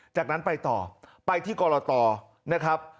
จากนั้นไปต่อไปที่กรตนะครับ